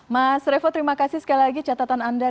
mas revo terima kasih sekali lagi catatan anda